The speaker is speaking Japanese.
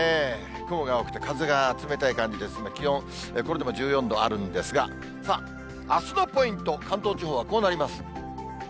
雲が多くて、風が冷たい感じですが、気温、これでも１４度あるんですが、さあ、あすのポイント、関東地方はこうなります。